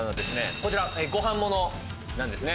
こちらご飯ものなんですね